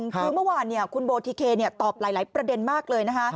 คือเมื่อวานคุณโบทิเคตอบหลายประเด็นมากเลยนะคะ